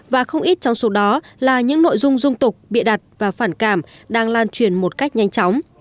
và không ít trong số đó là những nội dung dung tục bịa đặt và phản cảm đang lan truyền một cách nhanh chóng